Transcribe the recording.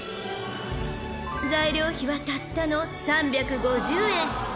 ［材料費はたったの３５０円］